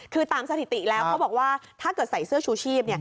คือตามสถิติแล้วเขาบอกว่าถ้าเกิดใส่เสื้อชูชีพ